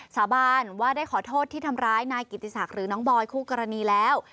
สาบานว่าได้ขอโทษที่ทำร้ายนายกิติศักดิ์หรือน้องบอยคู่กรณีแล้ว